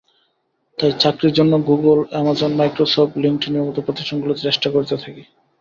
তাই চাকরির জন্য গুগল, আমাজন, মাইক্রোসফট, লিংকড-ইনের মতো প্রতিষ্ঠানগুলোতে চেষ্টা করতে থাকি।